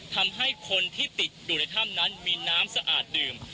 ทำให้คนที่ติดอยู่ในถ้ำนั้นมีน้ำสะอาดดื่ม